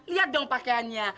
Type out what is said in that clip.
lihat dong pakaiannya